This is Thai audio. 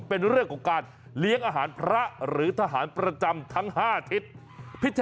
เป็นเรื่องของการเลี้ยงอาหารพระหรือทหารประจำทั้ง๕ทิศ